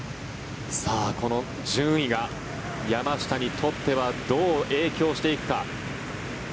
さあ、この順位が山下にとってはどう影響していくか。